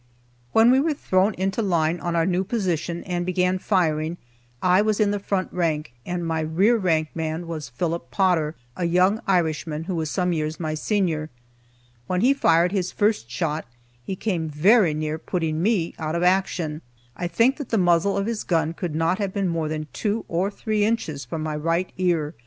When we were thrown into line on our new position and began firing, I was in the front rank, and my rear rank man was Philip Potter, a young Irishman, who was some years my senior. When he fired his first shot, he came very near putting me out of action. I think that the muzzle of his gun could not have been more than two or three inches from my right ear.